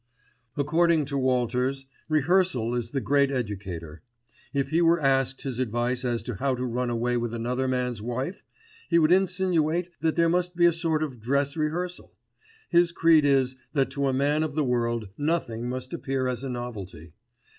According to Walters, rehearsal is the great educator. If he were asked his advice as to how to run away with another man's wife, he would insinuate that there must be a sort of dress rehearsal. His creed is that to a man of the world nothing must appear as a novelty.